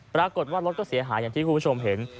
ปรากฏว่ารถก็เสียหายอย่างที่คุณผู้ชมเห็น